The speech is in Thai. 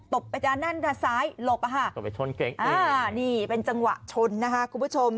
ตบไปด้านนั้นซ้ายหลบอะฮะตบไปชนเก๋งนี่เป็นจังหวะชนนะฮะคุณผู้ชม